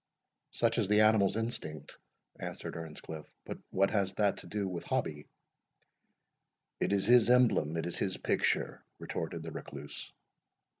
"Such is the animal's instinct," answered Earnscliff; "but what has that to do with Hobbie?" "It is his emblem it is his picture," retorted the Recluse.